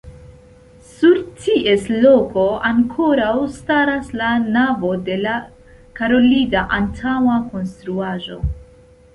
Sur ties loko ankoraŭ staras la navo de la karolida antaŭa konstruaĵo.